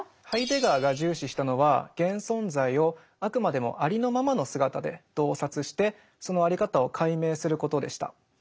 ハイデガーが重視したのは現存在をあくまでもありのままの姿で洞察してそのあり方を解明することでした。